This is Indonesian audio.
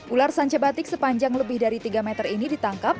ular sanca batik sepanjang lebih dari tiga meter ini ditangkap